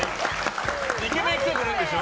イケメン来てくれるんでしょ。